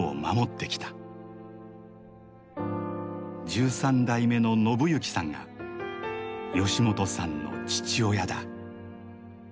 １３代目の信幸さんが吉本さんの父親だ。